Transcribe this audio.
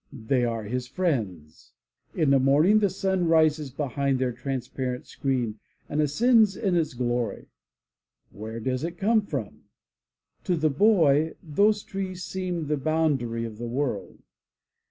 They are his friends. In the morning the sun rises behind their transparent screen and ascends in its glory. Where does it come from? To the boy, those trees seem the boundary of the world.